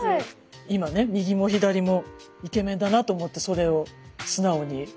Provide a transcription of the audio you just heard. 今ね右も左もイケメンだなと思ってそれを素直に書いてみました。